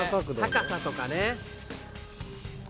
高さとかね